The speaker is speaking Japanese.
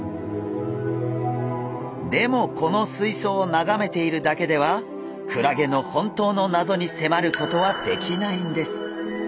でもこのすいそうをながめているだけではクラゲの本当の謎にせまることはできないんです。